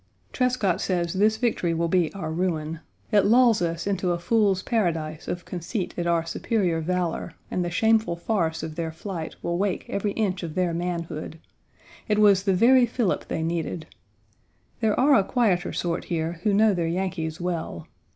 Page 92 Trescott says this victory will be our ruin. It lulls us into a fool's paradise of conceit at our superior valor, and the shameful farce of their flight will wake every inch of their manhood. It was the very fillip they needed. There are a quieter sort here who know their Yankees well.